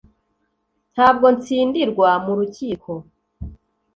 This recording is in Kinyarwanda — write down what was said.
Ntabwo ntsindirwa mu rukiko